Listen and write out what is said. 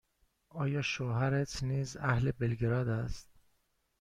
آیا شوهرت نیز اهل بلگراد است؟